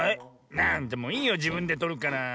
なんだもういいよじぶんでとるから。